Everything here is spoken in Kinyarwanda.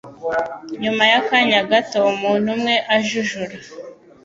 Nyuma y'akanya gato, umuntu umwe ajujura